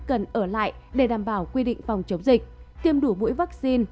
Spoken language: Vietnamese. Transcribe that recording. cần ở lại để đảm bảo quy định phòng chống dịch tiêm đủ mũi vaccine